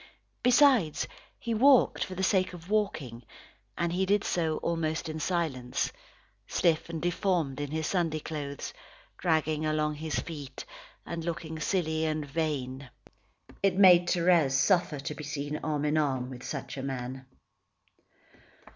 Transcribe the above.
Besides, he walked for the sake of walking, and he did so almost in silence, stiff and deformed in his Sunday clothes, dragging along his feet, and looking silly and vain. It made Thérèse suffer to be seen arm in arm with such a man.